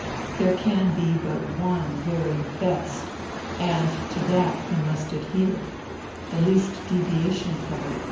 There can be but one very best^ and to that he must adhere; the least deriaticm from it would tmdeify him.